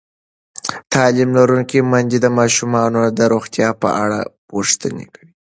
تعلیم لرونکې میندې د ماشومانو د روغتیا په اړه پوښتنې کوي.